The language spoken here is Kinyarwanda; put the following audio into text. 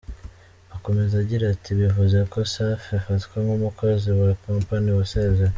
Akomeza agira ati “Bivuze ko Safi afatwa nk’umukozi wa ‘Company’ wasezeye.